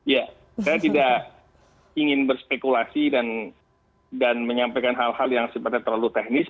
ya saya tidak ingin berspekulasi dan menyampaikan hal hal yang sifatnya terlalu teknis